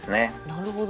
なるほど。